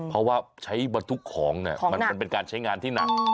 เพราะว่าใช้บรรทุกของนี้มันเป็นประมาณศึกษาหนัก